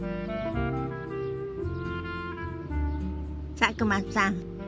佐久間さん